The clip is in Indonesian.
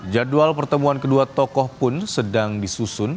jadwal pertemuan kedua tokoh pun sedang disusun